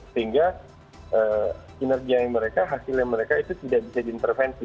sehingga kinerja mereka hasilnya mereka itu tidak bisa diintervensi